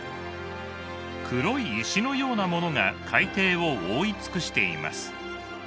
黒い石のようなものが海底を覆い尽くしています。